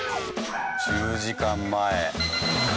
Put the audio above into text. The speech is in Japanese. １０時間前。